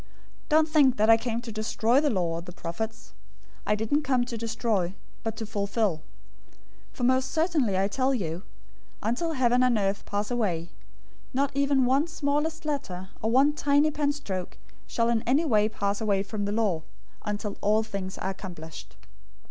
005:017 "Don't think that I came to destroy the law or the prophets. I didn't come to destroy, but to fulfill. 005:018 For most certainly, I tell you, until heaven and earth pass away, not even one smallest letter{literally, iota} or one tiny pen stroke{or, serif} shall in any way pass away from the law, until all things are accomplished.